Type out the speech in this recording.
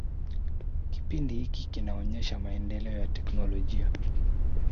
kipindi hiki kinaonyesha maendeleo ya teknolojia